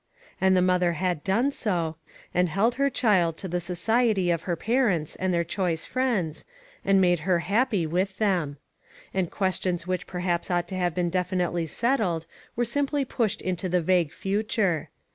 5' And the mother had done so, and held her child to the society of her parents, and their choice friends, and made her happy with them. And questions which perhaps ought to have been definitely settled, were simply pushed into the vague future.